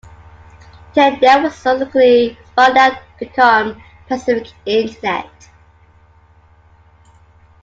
Technet was subsequently spun out to become Pacific Internet.